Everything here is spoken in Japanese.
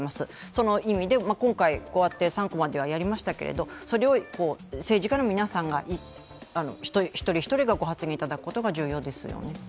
その意味で、今回こうやって３コマではやりましたけどもそれを政治家の皆さんが一人一人がご発言いただくことが重要ですよね。